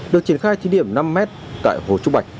được triển khai từ điểm năm mét tại hồ trúc bạch